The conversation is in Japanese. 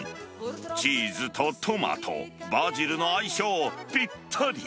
チーズとトマト、バジルの相性、ぴったり。